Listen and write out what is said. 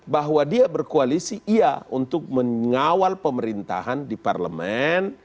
bahwa dia berkoalisi iya untuk mengawal pemerintahan di parlemen